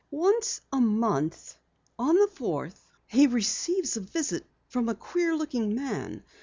Once a month, on the fourth, he receives a visit from a queer looking man.